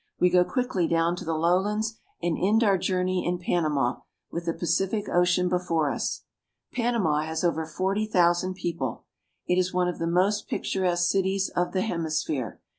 We go quickly down to the lowlands, and end our journey in Panama, with the Pacific Ocean before us. Panama has over forty thousand people. It is one of the most picturesque cities of the hemisphere.